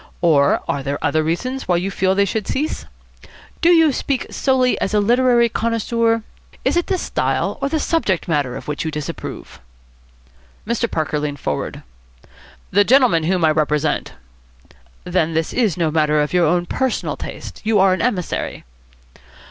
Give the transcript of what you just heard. Or are there other reasons why you feel that they should cease? Do you speak solely as a literary connoisseur? Is it the style or the subject matter of which you disapprove?" Mr. Parker leaned forward. "The gentleman whom I represent " "Then this is no matter of your own personal taste? You are an emissary?"